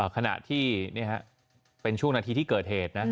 ขณะที่เป็นช่วงนาทีที่เกิดเหตุนะ